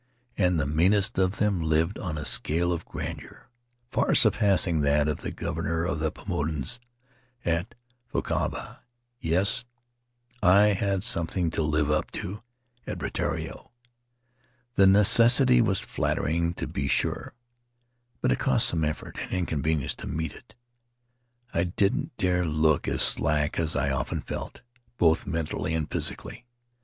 And the meanest of them lived on a scale of grandeur far surpassing that of the governor of the Paumotus at Fakavava. Yes, I had something to live up to at Rutiaro. The necessity was flattering, to be sure, but it cost some effort and inconvenience to meet it. I didn't dare look as slack as I often felt, both mentally and physically.